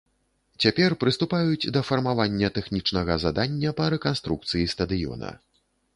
Цяпер прыступаюць да фармавання тэхнічнага задання па рэканструкцыі стадыёна.